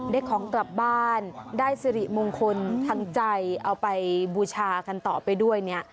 ได้ของกลับบ้านได้สิริมงคลทางใจเอาไปบูชากันต่อไปด้วยเนี่ย